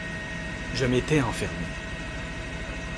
Je m'étais enfermé.